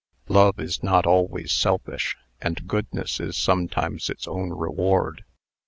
Love is not always selfish; and goodness is sometimes its own reward.